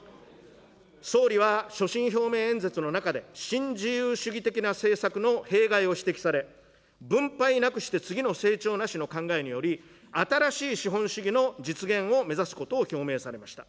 総理は所信表明演説の中で、新自由主義的な政策の弊害を指摘され、分配なくして次の成長なしの考えにより、新しい資本主義の実現を目指すことを表明されました。